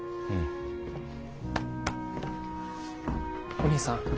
お義兄さん。